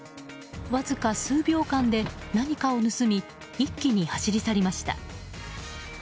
わずか数秒間で何かを盗み一気に走り去りました。